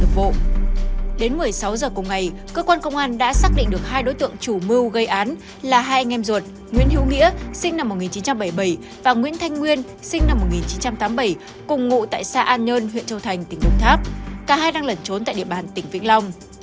cả hai đang lẩn trốn tại địa bàn tỉnh vĩnh long